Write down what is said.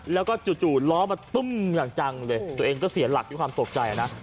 แล้วก็จู่ล้อมาตุ้มอย่างจังเลยตัวเองก็เสียหลักด้วยความตกใจนะ